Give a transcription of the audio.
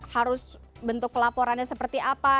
harus bentuk laporannya seperti apa